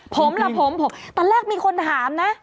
ผมล่ะผมตอนแรกมีคนถามนะ